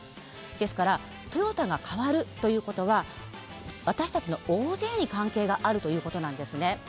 ですからトヨタが変わるということは私たちの大勢に関係があるということなんですね。